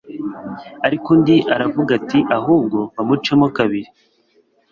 ariko undi aravuga ati “ahubwo bamucemo kabiri